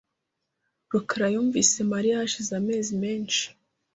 rukara yumvise Mariya hashize amezi menshi .